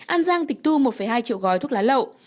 an giang tịch thu một hai triệu gói thuốc lá lậu